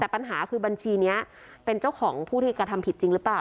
แต่ปัญหาคือบัญชีนี้เป็นเจ้าของผู้ที่กระทำผิดจริงหรือเปล่า